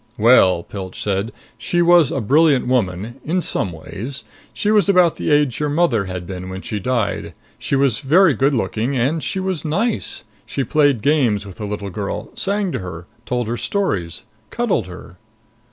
"Well," Pilch said, "she was a brilliant woman. In some ways. She was about the age your mother had been when she died. She was very good looking. And she was nice! She played games with a little girl, sang to her. Told her stories. Cuddled her."